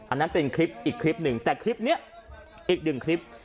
อันนั้นเป็นคลิปอีกคลิปหนึ่งแต่คลิปนี้อีกหนึ่งคลิป